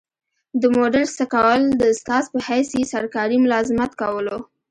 دمډل سکول د استاذ پۀ حيث ئي سرکاري ملازمت کولو